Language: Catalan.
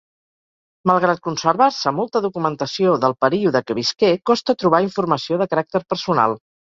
Malgrat conservar-se molta documentació del període que visqué costa trobar informació de caràcter personal.